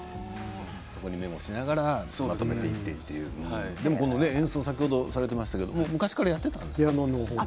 メモしながらまとめていて演奏を先ほどされてましたけれども昔からやっていたんですか？